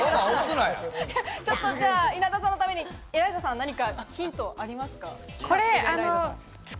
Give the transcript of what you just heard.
稲田さんのために、エライザさん、ヒントありますか？